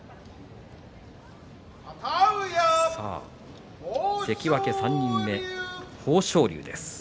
さあ関脇３人目、豊昇龍です。